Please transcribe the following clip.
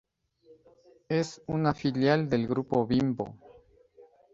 Es una filial del Grupo Bimbo.